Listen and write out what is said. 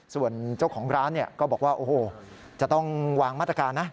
ส่วนเจ้าของร้านก็บอกว่าโอ้โหจะต้องวางมาตรการนะ